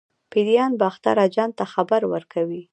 پیریان باختر اجان ته خبر ورکوي.